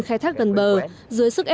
khai thác gần bờ dưới sức ép